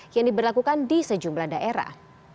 yang diberlakukan di sejumlah daerah